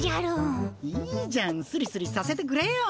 いいじゃんスリスリさせてくれよ。